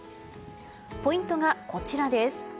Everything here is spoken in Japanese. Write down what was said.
ポイントがこちらです。